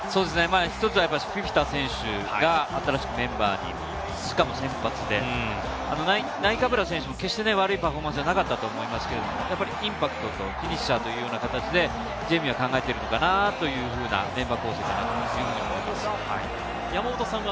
１つはフィフィタ選手が新しくメンバーに、しかも先発でナイカブラ選手も決して悪いパフォーマンスじゃなかったと思うんですが、インパクトとフィニッシャーということで準備は考えているのかなと思います。